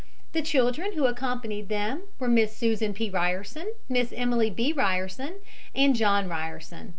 The children who accompanied them were Miss Susan P. Ryerson, Miss Emily B. Ryerson and John Ryerson.